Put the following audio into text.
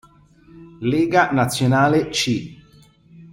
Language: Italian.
Lega Nazionale C